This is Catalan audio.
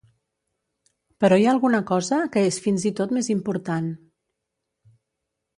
Però hi ha alguna cosa que és fins i tot més important.